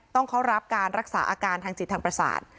ต้องเข้ารับการรักษาอาการทางจิตทางประสาท